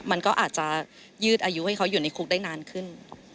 มันก็อาจจะยืดอายุให้เขาอยู่ในคุกได้นานขึ้น